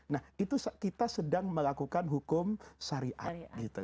nah itu kita sedang melakukan hukum syariat